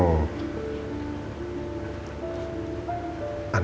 ya mereka bilang